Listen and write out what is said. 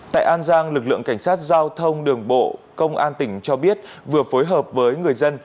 tại an giang lực lượng cảnh sát giao thông đường bộ công an tỉnh cho biết vừa phối hợp với người dân